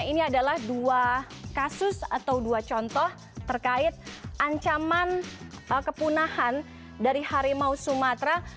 ini adalah dua kasus atau dua contoh terkait ancaman kepunahan dari harimau sumatera